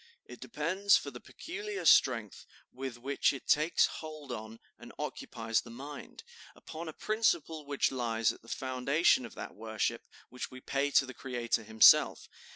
It depends for the peculiar strength with which it takes hold on and occupies the mind, upon a principle which lies at the foundation of that worship which we pay to the Creator himself.